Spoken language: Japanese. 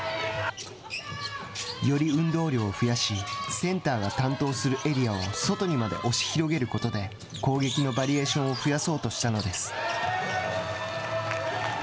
より運動量を増やしセンターが担当するエリアを外にまで押し広げることで攻撃のバリエーションを増やそうとしたのです。